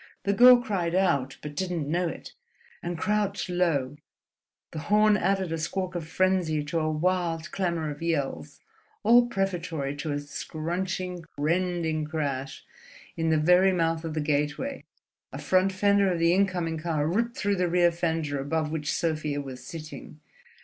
The girl cried out, but didn't know it, and crouched low; the horn added a squawk of frenzy to a wild clamour of yells; all prefatory to a scrunching, rending crash as, in the very mouth of the gateway, a front fender of the incoming car ripped through the rear fender above which Sofia was sitting.